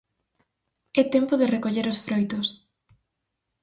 É tempo de recoller os froitos.